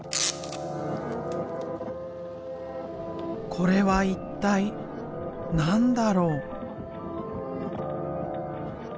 これは一体何だろう？